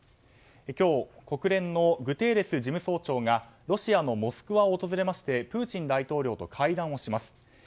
今日、国連のグテーレス事務総長がロシアのモスクワを訪れましてプーチン大統領と対談します。